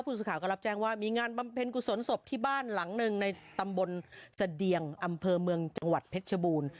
สื่อข่าวก็รับแจ้งว่ามีงานบำเพ็ญกุศลศพที่บ้านหลังหนึ่งในตำบลเสดียงอำเภอเมืองจังหวัดเพชรชบูรณ์